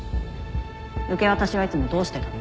受け渡しはいつもどうしてたの？